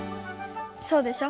そうでしょ。